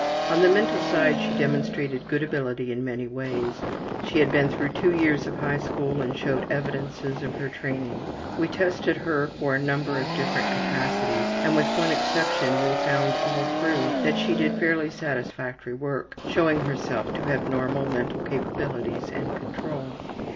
On the mental side she demonstrated good ability in many ways. She had been through two years of high school and showed evidences of her training. We tested her for a number of different capacities and, with one exception, we found all through that she did fairly satisfactory work, showing herself to have normal mental capabilities and control.